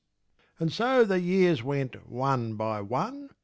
And so the years went one by one.